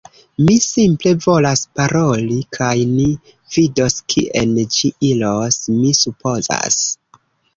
Mi simple volas paroli kaj ni vidos kien ĝi iros, mi supozas.